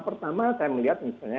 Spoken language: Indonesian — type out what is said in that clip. pertama saya melihat misalnya